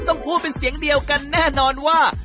ต้องพูดเป็นเสียงเดียวกันแน่นอนว่า